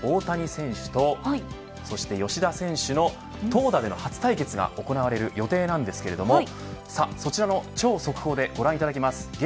こちらボストンでですね堤さん、大谷選手とそして吉田選手の投打での初対決が行われる予定なんですけどもそちらを超速報でご覧いただきます。